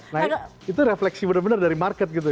nah itu refleksi benar benar dari market gitu